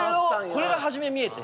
これが初め見えて。